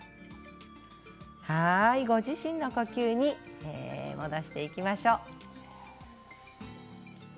ご自身の呼吸に戻していきましょう。